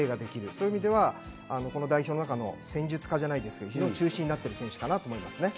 そういう意味では代表の中の戦術家じゃないですが、中心になっていく選手だと思います。